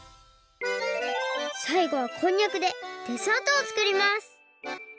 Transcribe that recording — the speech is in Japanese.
さいごはこんにゃくでデザートをつくります。